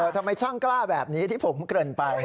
ทำไมช่างกล้าแบบนี้ที่ผมเกริ่นไป